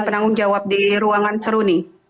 dan penanggung jawab di ruangan seruni